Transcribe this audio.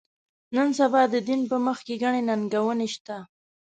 نن سبا د دین په مخ کې ګڼې ننګونې شته.